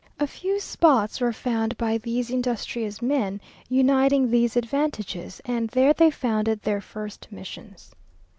A few spots were found by these industrious men, uniting these advantages, and there they founded their first missions.